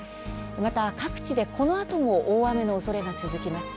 また各地で、このあとも大雨のおそれが続きます。